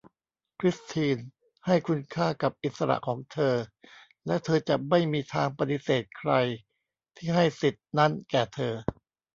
คริสทีนให้คุณค่ากับอิสระของเธอ แล้วเธอจะไม่มีทางปฏิเสธใครที่ให้สิทธิ์นั้นแก่เธอ